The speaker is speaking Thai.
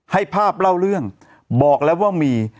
ให้ภาพเล่าเรื่องบอกแล้วว่ามี